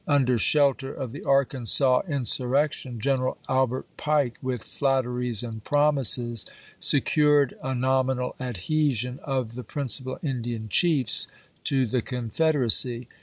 Under shelter of the Arkansas insurrection General Albert Pike, with flatteries and promises, secured a nom inal adhesion of the principal Indian chiefs to the Confederacy.